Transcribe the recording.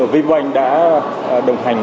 vbon đã đồng hành